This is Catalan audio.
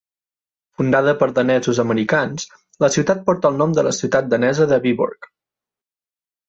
Fundada per danesos-americans, la ciutat porta el nom de la ciutat danesa de Viborg.